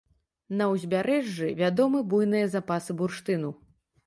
На ўзбярэжжы вядомы буйныя запасы бурштыну.